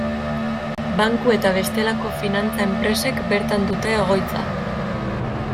Banku eta bestelako finantza enpresek bertan dute egoitza.